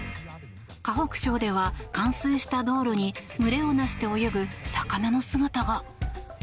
河北省では、冠水した道路に群れを成して泳ぐ魚の姿が。